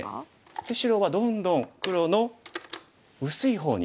で白はどんどん黒の薄い方に。